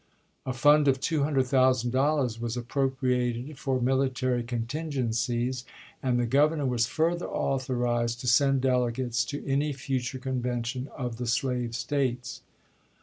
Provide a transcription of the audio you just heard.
A fund of $200,000 was appropriated for " military contingencies "; and the Governor was further authorized to send delegates to any future convention of the slave States.